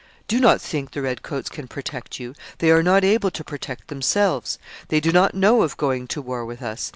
Do not think the red coats can protect you; they are not able to protect themselves. They do not think of going to war with us.